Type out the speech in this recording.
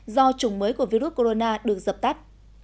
do chủng mới của virus corona được dập tắt